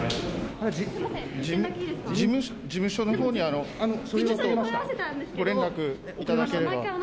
事務所のほうにご連絡いただければ。